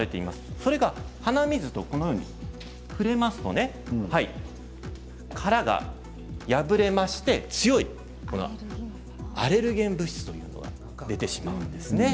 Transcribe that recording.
それが鼻水と触れますと殻が破れまして強いアレルゲン物質が出てしまうんですね。